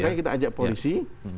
makanya kita ajak polisi